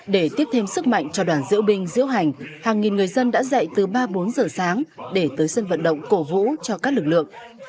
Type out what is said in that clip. để tiếp thêm sức mạnh cho đoàn diễu binh diễu hành hàng nghìn người dân đã dậy từ ba bốn giờ sáng để tới sân vận động cổ vũ cho các lực lượng